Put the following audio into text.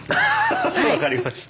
分かりました。